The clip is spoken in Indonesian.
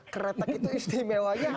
kretek itu istimewanya apa